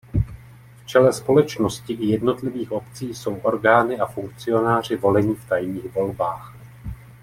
V čele společnosti i jednotlivých obcí jsou orgány a funkcionáři volení v tajných volbách.